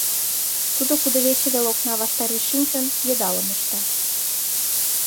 Тудо кудывече вел окна ваштареш шинчын, йыдалым ышта.